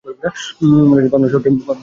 মাদ্রাসাটি পাবনা শহরের মধ্যে অবস্থিত।